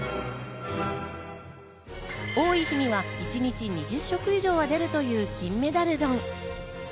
多い日には一日２０食以上は出るという金メダル丼。